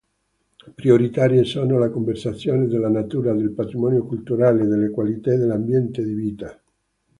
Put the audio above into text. Prioritarie sono la conservazione della natura, del patrimonio culturale, delle qualità dell'ambiente di vita.